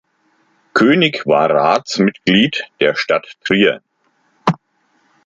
König war Ratsmitglied der Stadt Trier.